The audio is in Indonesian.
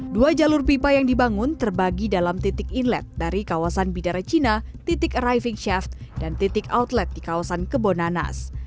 dua jalur pipa yang dibangun terbagi dalam titik inlet dari kawasan bidara cina titik arriving shaft dan titik outlet di kawasan kebonanas